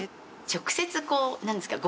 直接こうなんですか